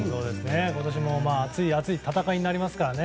今年も熱い戦いになりますね。